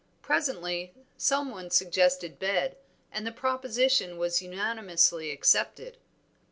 Presently some one suggested bed, and the proposition was unanimously accepted.